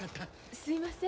すいません。